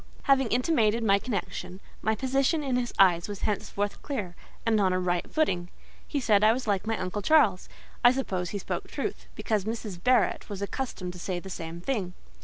Having intimated my connection, my position in his eyes was henceforth clear, and on a right footing. He said I was like my uncle Charles: I suppose he spoke truth, because Mrs. Barrett was accustomed to say the same thing.